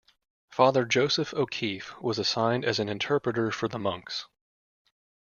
Father Joseph O'Keefe was assigned as an interpreter for the monks.